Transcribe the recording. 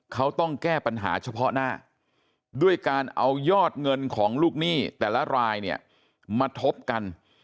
เขาต้องแก้ปัญหาเฉพาะหน้าด้วยการเอายอดเงินของลูกหนี้แต่ละรายเนี่ยมาทบกัน